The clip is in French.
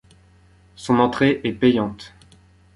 Son entrée est payante.